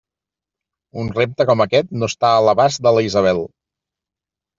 Un repte com aquest no està a l'abast de la Isabel!